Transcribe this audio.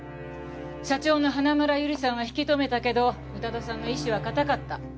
社長の花村友梨さんは引き留めたけど宇多田さんの意志は固かった。